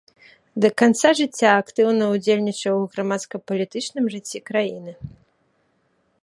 Да канца жыцця актыўна ўдзельнічаў у грамадска-палітычным жыцці краіны.